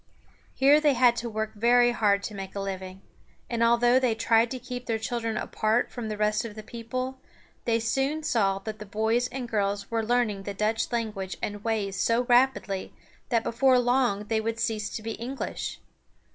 Here they had to work very hard to make a living; and although they tried to keep their children apart from the rest of the people, they soon saw that the boys and girls were learning the Dutch language and ways so rapidly that before long they would cease to be English.